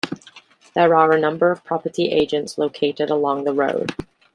There are a number of property agents located along the road.